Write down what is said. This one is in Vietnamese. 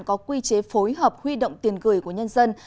có quy chế phối hợp huy động tiền gửi của nhân dân